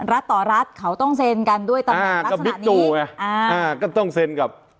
รัฐต่อรัฐเขาต้องเซนกันด้วยตำนานลักษณะนี้อ่าก็ต้องเซนกับ